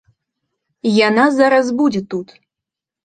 Яна зараз будзе тут.